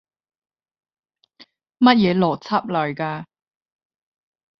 乜嘢邏輯嚟㗎？